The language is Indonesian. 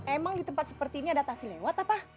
emang di tempat seperti ini ada taksi lewat apa